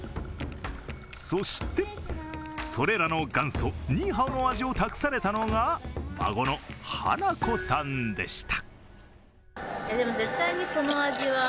そして、それらの元祖ニーハオの味を託されたのが孫の華子さんでした。